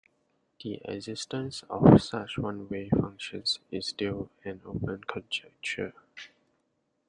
The existence of such one-way functions is still an open conjecture.